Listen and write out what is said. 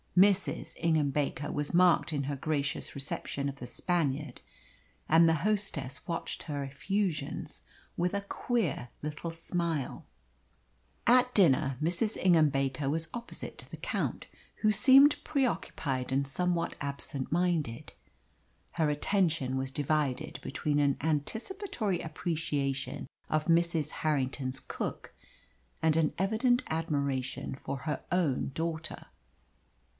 Mrs. Ingham Baker was marked in her gracious reception of the Spaniard, and the hostess watched her effusions with a queer little smile. At dinner Mrs. Ingham Baker was opposite to the Count, who seemed preoccupied and somewhat absent minded. Her attention was divided between an anticipatory appreciation of Mrs. Harrington's cook and an evident admiration for her own daughter.